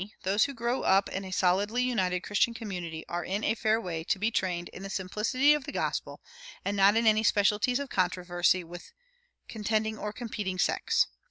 Those who grow up in a solidly united Christian community are in a fair way to be trained in the simplicity of the gospel, and not in any specialties of controversy with contending or competing sects.